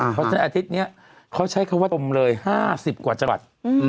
เพราะฉะนั้นอาทิตย์นี้เขาใช้คำว่าตมเลย๕๐กว่าจังหวัด